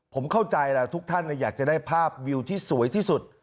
ผมเข้าใจแล้วทุกท่านอยากจะได้ภาพวิวที่สวยที่สุด